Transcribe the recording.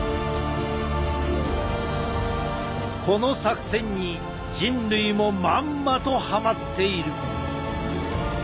この作戦に人類もまんまとはまっている。